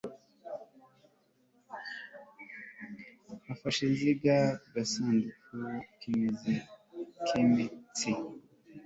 afashe insinga mu gasanduku k'imitsi